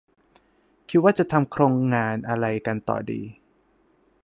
คิดว่าจะทำโครงงานอะไรกันต่อดี